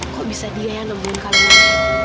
kok bisa dia yang nemuin kalungnya